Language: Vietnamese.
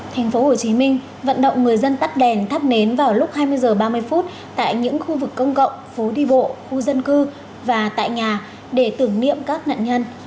tp hcm vận động người dân tắt đèn thắp nến vào lúc hai mươi h ba mươi tại những khu vực công cộng phố đi bộ khu dân cư và tại nhà để tưởng niệm các nạn nhân